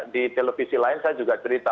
di televisi lain saya juga cerita